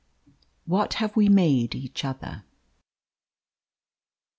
What have we made each other?